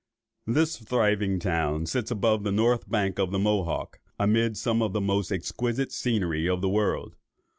This thriving town sits above the north bank of the Mohawk, amid some of the most exquisite scenery of the world.